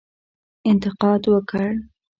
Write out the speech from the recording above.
انتقاد وکړ.